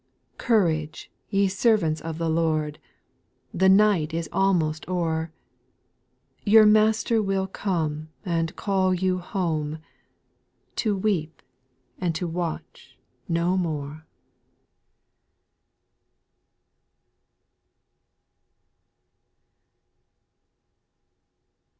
9. Courage, ye servants of the Lord, The night is almost o'er ; Your Master will come and call you home, To weep and to watch no ixvqx^.